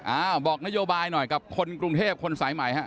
อ้าวบอกนโยบายหน่อยกับคนกรุงเทพคนสายใหม่ฮะ